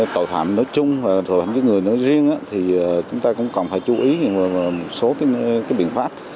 tội phạm nói chung và tội phạm giết người nói riêng thì chúng ta cũng cần phải chú ý nhiều số biện pháp